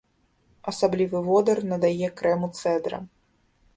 Асаблівы водар надае крэму цэдра.